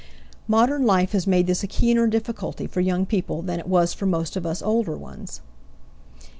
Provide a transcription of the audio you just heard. Modern life has made this a keener difficulty for young people than it was for most of us older ones.